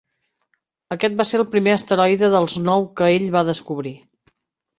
Aquest va ser el primer asteroide dels nou que ell va descobrir.